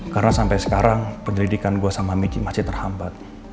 karena sampai sekarang pendidikan saya sama michi masih terhambat